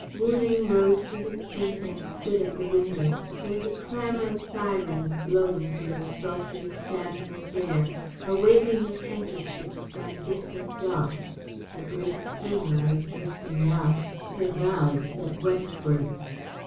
Wu Ling rose to his feet and stood at the window. There was a clamour of sirens blowing through the sultry, stagnant air, a waving of handkerchiefs from a distant dock. A great steamer was drifting out, her bows set westward.